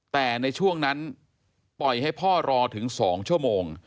แต่ในช่วงนั้นปล่อยให้พ่อรอถึง๒ชั่วโมง